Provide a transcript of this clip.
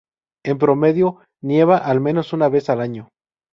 En promedio, nieva al menos una vez al año.